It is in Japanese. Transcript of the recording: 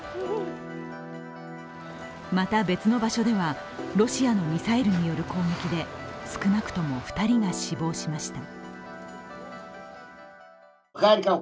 また、別の場所ではロシアのミサイルによる攻撃で少なくとも２人が死亡しました。